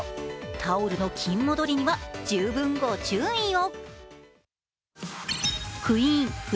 タオルの菌戻りには十分ご注意を。